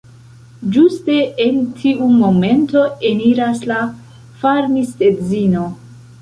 Ĝuste en tiu momento eniras la farmistedzino.